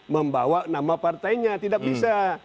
membawa nama partainya tidak bisa